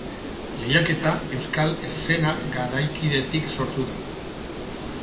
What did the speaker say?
Lehiaketa euskal eszena garaikidetik sortu da.